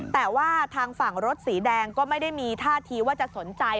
แต่ว่าทางฝั่งรถสีแดงก็ไม่ได้มีท่าทีว่าจะสนใจ